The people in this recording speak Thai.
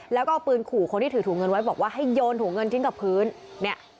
แล้วก็เอาปืนขู่คนที่ถือถุงเงินไว้บอกว่าให้โยนถุงเงินทิ้งกับพื้นเนี่ย